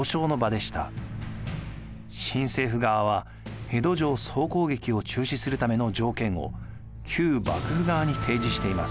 新政府側は江戸城総攻撃を中止するための条件を旧幕府側に提示しています。